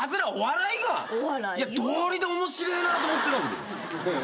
どうりで面白えなと思ってたんだ。